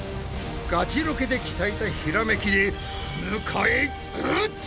ガチロケで鍛えたひらめきで迎え撃つ！